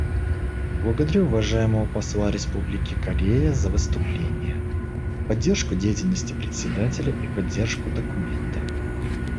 Благодарю уважаемого посла Республики Корея за выступление, поддержку деятельности Председателя и поддержку документа.